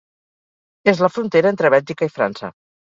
És la frontera entre Bèlgica i França.